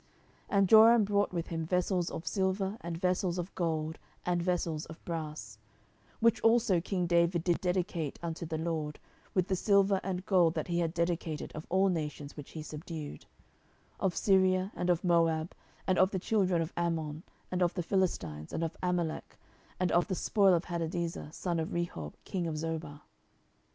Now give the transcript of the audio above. And Joram brought with him vessels of silver, and vessels of gold, and vessels of brass: 10:008:011 Which also king David did dedicate unto the LORD, with the silver and gold that he had dedicated of all nations which he subdued; 10:008:012 Of Syria, and of Moab, and of the children of Ammon, and of the Philistines, and of Amalek, and of the spoil of Hadadezer, son of Rehob, king of Zobah.